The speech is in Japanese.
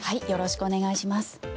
よろしくお願いします。